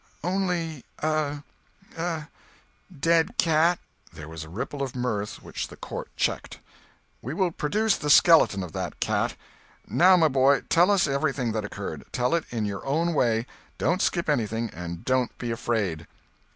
"Only a—a—dead cat." There was a ripple of mirth, which the court checked. "We will produce the skeleton of that cat. Now, my boy, tell us everything that occurred—tell it in your own way—don't skip anything, and don't be afraid."